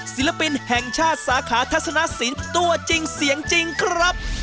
ศิลปินแห่งชาติสาขาทัศนสินตัวจริงเสียงจริงครับ